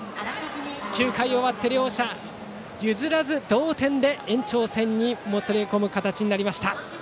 ９回終わって両者譲らず同点で延長戦にもつれ込む形になりました。